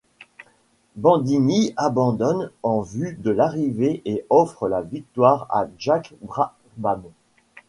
Bandini abandonne en vue de l'arrivée et offre la victoire à Jack Brabham.